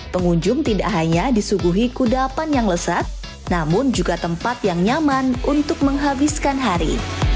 pengunjung tidak hanya disuguhi kudapan yang lezat namun juga tempat yang nyaman untuk menghabiskan hari